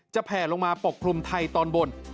แผลลงมาปกคลุมไทยตอนบน